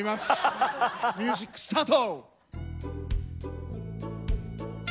ミュージックスタート！